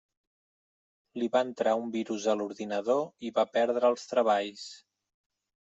Li va entrar un virus a l'ordinador i va perdre els treballs.